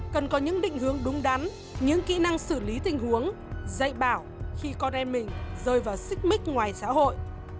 cần có những định hướng đúng đắn những kỹ năng xử lý tình huống dạy bảo khi con em mình rơi vào xích mích ngoài xã hội